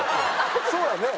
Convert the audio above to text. そうやね。